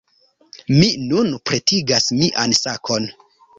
Mi nun pretigas mian sakon.